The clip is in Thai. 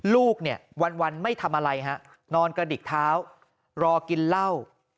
ลูกเนี่ยวันไม่ทำอะไรฮะนอนกระดิกเท้ารอกินเหล้า